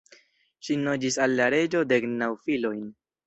Ŝi donis al la reĝo dek naŭ filojn.